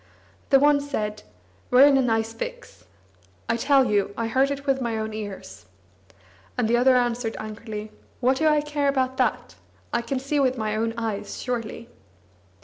The one said: "We're in a nice fix! I tell you, I heard it with my own ears!" And the other answered angrily: "What do I care about that? I can see with my own eyes, surely."